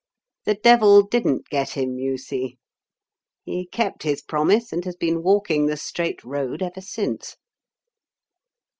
The Devil didn't get him, you see. He kept his promise and has been walking the straight road ever since."